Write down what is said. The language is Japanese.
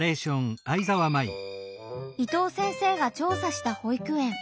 伊藤先生が調査した保育園。